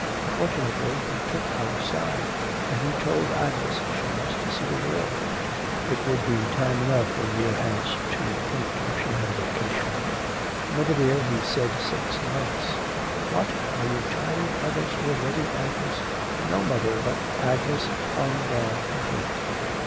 Fortunately he took our side, and he told Agnes she must see the world; it would be time enough a year hence to think if she had a vocation.' 'Mother dear, he said six months.' 'What, are you tired of us already, Agnes?' 'No, mother, but ' Agnes hung down her head.